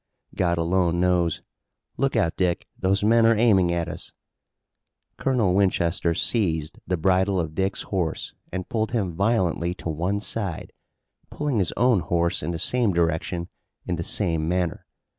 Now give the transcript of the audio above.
"God alone knows. Look out, Dick, those men are aiming at us!" Colonel Winchester seized the bridle of Dick's horse and pulled him violently to one side, pulling his own horse in the same direction in the same manner.